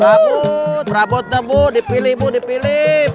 rabu rabu tembu dipilihmu dipilih